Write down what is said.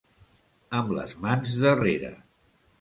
Amb les mans darrere.